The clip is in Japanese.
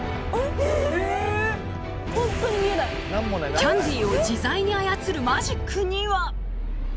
キャンディーを自在に操るマジックには。